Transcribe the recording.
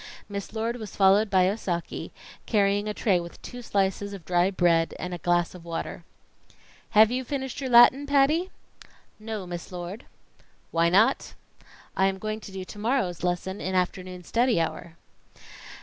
Miss Lord was followed by Osaki, carrying a tray with two slices of dry bread and a glass of water. "Have you finished your Latin, Patty?" "No, Miss Lord." "Why not?" "I am going to do to morrow's lesson in afternoon study hour."